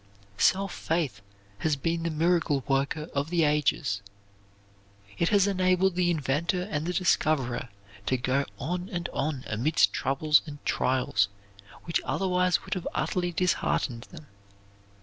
Self faith has been the miracle worker of the ages. It has enabled the inventor and the discoverer to go on and on amidst troubles and trials which otherwise would have utterly disheartened them.